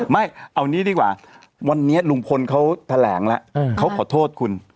ไม่เอานี้ดีกว่าวันนี้ลุงพลเขาแถลงแล้วเขาขอโทษคุณ